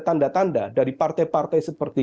tanda tanda dari partai partai seperti